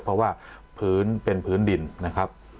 เพราะว่าพื้นเป็นพื้นดินนะครับ